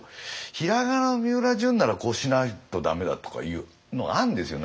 平仮名のみうらじゅんならこうしないと駄目だとかいうのがあるんですよ